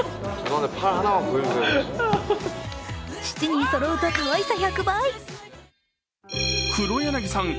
７人そろうとかわいさ１００倍。